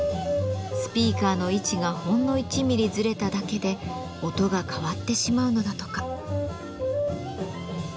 スピーカーの位置がほんの１ミリずれただけで音が変わってしまうのだとか。